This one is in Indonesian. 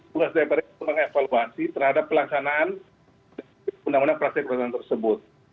tugas dpr itu mengevaluasi terhadap pelaksanaan undang undang praktek perundangan tersebut